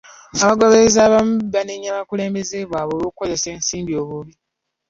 Abagoberezi abamu banenya abakulembeze baabwe olw'okukozesa ensimbi obubi.